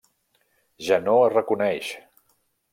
Ja no es reconeix.